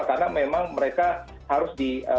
karena memang mereka harus